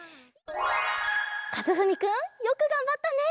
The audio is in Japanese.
かずふみくんよくがんばったね！